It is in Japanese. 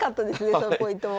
そのポイントも。